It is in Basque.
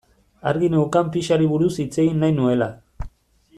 Argi neukan pixari buruz hitz egin nahi nuela.